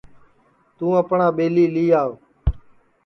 توں اپٹؔا ٻیلی لی آو